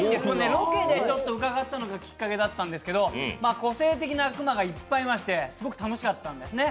ロケで伺ったのがきっかけだったんですけど個性的な熊がいっぱいいまして、すごく楽しかったんですね。